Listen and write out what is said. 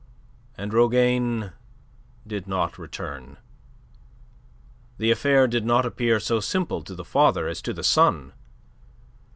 And Rougane did not return. The affair did not appear so simple to the father as to the son.